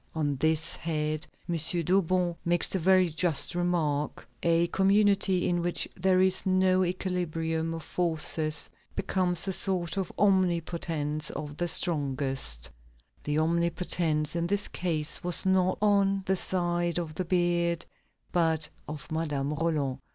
On this head, M. Dauban makes the very just remark: "A community in which there is no equilibrium of forces, becomes a sort of omnipotence for the strongest." The omnipotence in this case was not on the side of the beard, but of Madame Roland.